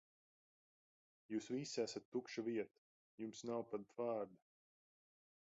Jūs visi esat tukša vieta, jums nav pat vārda.